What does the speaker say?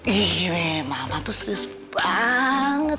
ini mama tuh serius banget